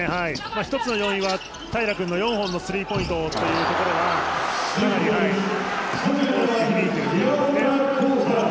１つの要因は平良君の４本のスリーポイントというところがかなり大きく響いていると思いますね。